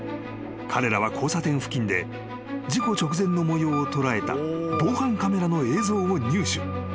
［彼らは交差点付近で事故直前の模様を捉えた防犯カメラの映像を入手］